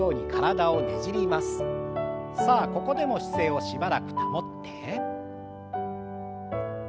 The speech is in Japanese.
さあここでも姿勢をしばらく保って。